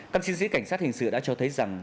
các chiến sĩ cảnh sát hình sự đã cho thấy rằng